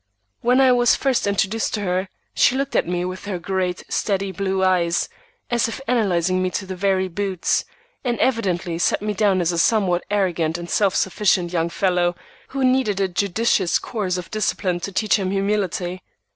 When I was first introduced to her, she looked at me with her great, steady blue eyes, as if analyzing me to the very boots, and evidently set me down as a somewhat arrogant and self sufficient young fellow who needed a judicious course of discipline to teach him humility.